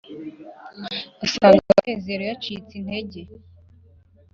asanga munezero yacitse intege.